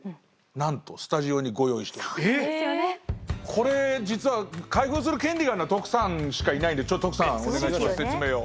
これ実は開封する権利があるのは徳さんしかいないんでちょっと徳さんお願いします説明を。